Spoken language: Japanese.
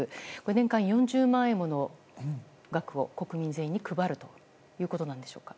年間４０万円もの額を国民全員に配るということでしょうか。